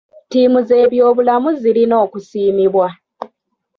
Ttiimu z'ebyobulamu zirina okusiimibwa.